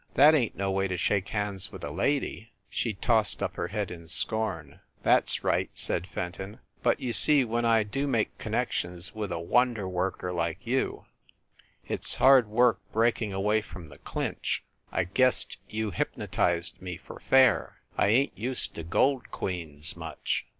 That ain t no way to shake hands with a lady !" She tossed up her head in scorn. "That s right," said Fenton, "but you see when I do make connections with a wonder worker like you, it s hard work breaking away from the clinch. I guessed you hypnotized me for fair. I ain t used to gold queens, much.